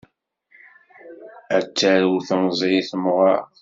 A d-tarew temẓi i temɣer.